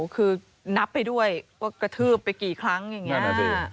คือนับไปด้วยว่ากระทืบไปกี่ครั้งอย่างนี้นะสิ